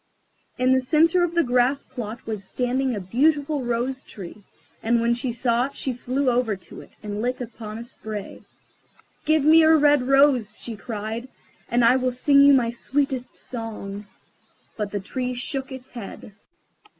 In the centre of the grass plot was standing a beautiful Rose tree, and when she saw it she flew over to it, and lit upon a spray. "Give me a red rose," she cried, "and I will sing you my sweetest song." But the Tree shook its head.